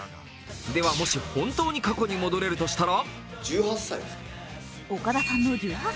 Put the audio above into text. では、もし本当に過去に戻れるとしたら？